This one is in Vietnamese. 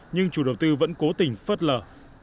nhưng chủ đầu tư vẫn cố tình phớt lờ